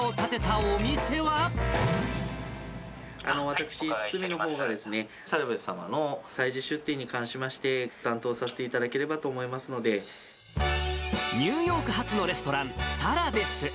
私、堤のほうがですね、サラベス様の催事出店に関しまして、担当させていただければと思ニューヨーク発のレストラン、サラベス。